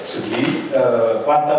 sử lý quan tâm tàu sát